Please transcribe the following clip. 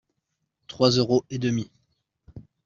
Trois euros et demi.